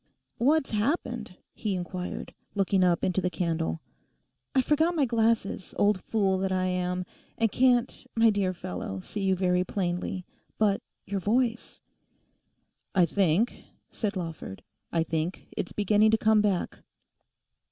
'What's happened?' he inquired, looking up into the candle. 'I forgot my glasses, old fool that I am, and can't, my dear fellow, see you very plainly. But your voice—' 'I think,' said Lawford, 'I think it's beginning to come back.